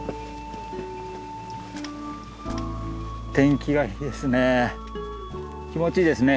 天気がいいですね。